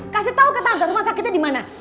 kasih tau ke tante rumah sakitnya dimana